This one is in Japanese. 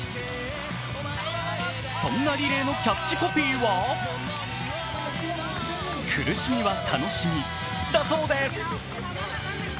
そんなリレーのキャッチコピーは苦しみは楽しみだそうです。